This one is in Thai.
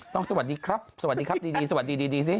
สวัสดีครับสวัสดีครับดีสวัสดีดีสิ